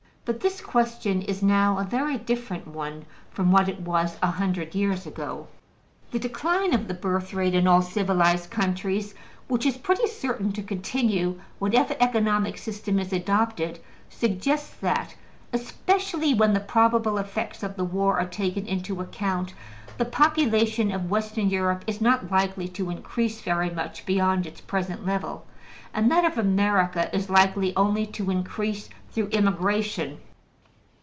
But this question is now a very different one from what it was a hundred years ago. The decline of the birth rate in all civilized countries, which is pretty certain to continue, whatever economic system is adopted, suggests that, especially when the probable effects of the war are taken into account, the population of Western Europe is not likely to increase very much beyond its present level, and that of America is likely only to increase through immigration.